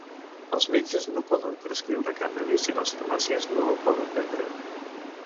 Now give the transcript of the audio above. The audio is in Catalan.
Els metges no poden prescriure cànnabis i les farmàcies no el poden vendre.